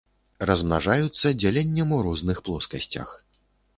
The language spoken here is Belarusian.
Размнажаюцца дзяленнем у розных плоскасцях.